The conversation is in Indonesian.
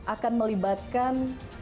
akan melibatkan sisi lawan